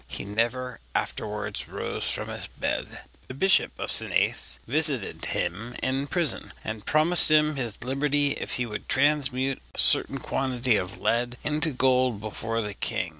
He never afterwards rose from his bed. The Bishop of Senés visited him in prison, and promised him his liberty if he would transmute a certain quantity of lead into gold before the king.